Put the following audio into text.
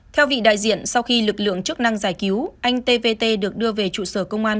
theo vị đại diện sau khi lực lượng chức năng giải cứu anh t v t được đưa về trụ sở công an